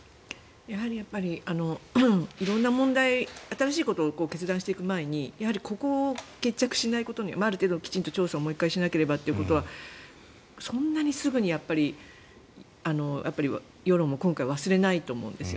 やはり色んな問題新しいことを決断していく前にここを決着しないことにはある程度、調査をもう１回しなければということはそんなにすぐにやっぱり世論も今回は忘れないと思うんです。